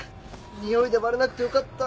ニオイでバレなくてよかった。